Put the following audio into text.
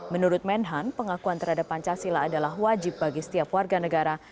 menurut menhan pengakuan terhadap pancasila adalah wajib bagi setiap warga negara